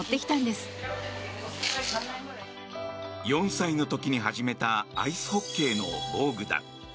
４歳の時に始めたアイスホッケーの防具だ。